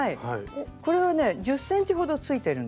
これはね１０ｃｍほどついてるんですね。